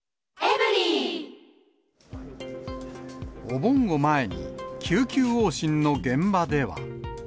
お盆を前に、救急往診の現場では。